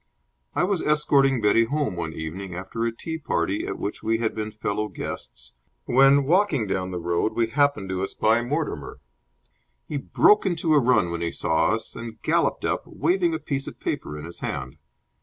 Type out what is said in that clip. I was escorting Betty home one evening after a tea party at which we had been fellow guests, when, walking down the road, we happened to espy Mortimer. He broke into a run when he saw us, and galloped up, waving a piece of paper in his hand.